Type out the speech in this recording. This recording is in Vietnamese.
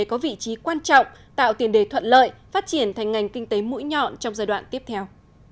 có vị trí quan trọng tạo tiền đề thuận lợi phát triển thành ngành kinh tế mũi nhọn trong giai đoạn tiếp theo